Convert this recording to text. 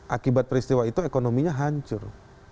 akibat peristiwa itu ekonominya hancur